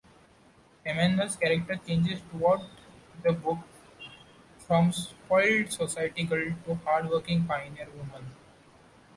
Amanda's character changes throughout the book, from spoiled society girl to hardworking pioneer woman.